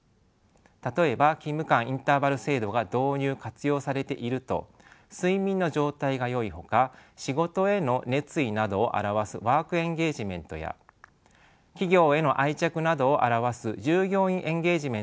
例えば勤務間インターバル制度が導入・活用されていると睡眠の状態がよいほか仕事への熱意などを表すワークエンゲージメントや企業への愛着などを表す従業員エンゲージメントもよくなっています。